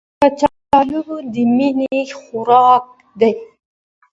کچالو د مینې خوراک دی